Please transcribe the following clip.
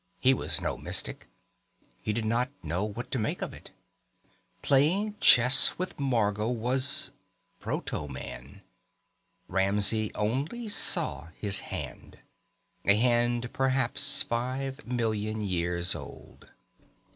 He was no mystic. He did not know what to make of it. Playing chess with Margot was proto man. Ramsey only saw his hand. A hand perhaps five million years old.